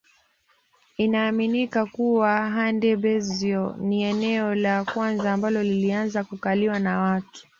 Inaaminika kuwa Handebezyo ni eneo la kwanza ambalo lilianza kukaliwa na watu